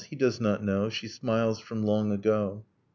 . He does not know She smiles from long ago